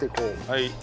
はい。